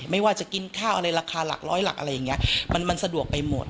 ไม่ว่าจะกินข้าวอะไรราคาหลักร้อยหลักอะไรอย่างนี้มันสะดวกไปหมด